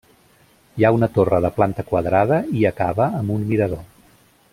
Hi ha una torre de planta quadrada i acaba amb un mirador.